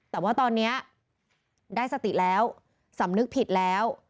แต่ว่าตอนนี้ได้สติแล้วสำนึกผิดแล้ว